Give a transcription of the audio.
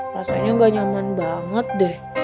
rasanya nggak nyaman banget deh